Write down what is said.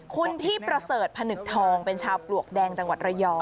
คุณพี่ประเสริฐพนึกทองเป็นชาวปลวกแดงจังหวัดระยอง